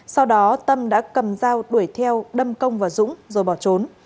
sau đó tâm đã cầm dao đuổi theo đâm công vào rũng rồi bỏ trốn